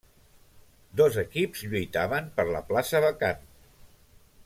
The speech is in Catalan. Dos equips lluitaven per la plaça vacant.